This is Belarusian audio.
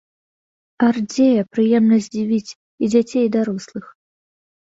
Арт-дзея прыемна здзівіць і дзяцей, і дарослых.